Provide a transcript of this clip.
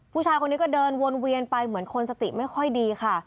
ผู้ชายคนนี้ก็เดินวนเวียนไปเหมือนคนสติไม่ค่อยดีค่ะ